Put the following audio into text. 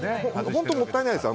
本当、もったいないです。